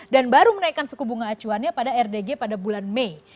dan baru menaikkan suku bunga acuannya pada rdg pada bulan mei